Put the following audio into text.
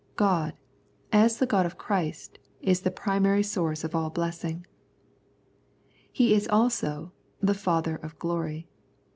God, as the God of Christ, is the primary source of all blessing. He is also '' the Father of Glory."